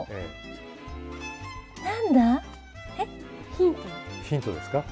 ヒントですか。